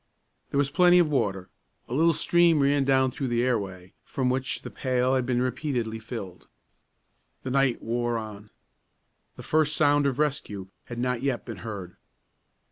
There was plenty of water. A little stream ran down through the airway, from which the pail had been repeatedly filled. The night wore on. The first sound of rescue had not yet been heard.